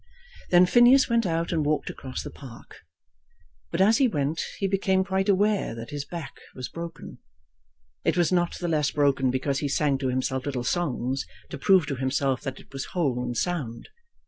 Then Phineas went out and walked across the park; but as he went he became quite aware that his back was broken. It was not the less broken because he sang to himself little songs to prove to himself that it was whole and sound.